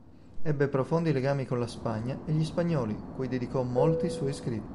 Ebbe profondi legami con la Spagna e gli spagnoli, cui dedicò molti suoi scritti.